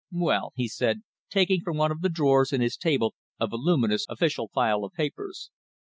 "Well," he said, taking from one of the drawers in his table a voluminous official file of papers.